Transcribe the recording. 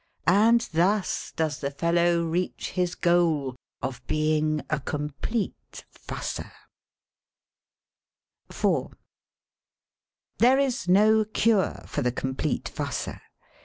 And thus does the fellow reach his goal of being a complete fusser. THE COMPLETE FUSSER 79 IT There is no cure for the complete f usser.